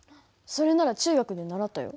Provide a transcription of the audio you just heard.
それなら中学で習ったよ。